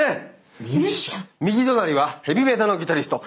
右隣はヘビメタのギタリスト。